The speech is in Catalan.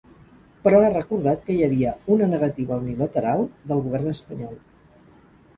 Però ha recordat que hi havia ‘una negativa unilateral’ del govern espanyol.